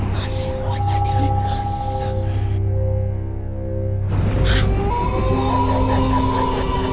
masih waktu di lintas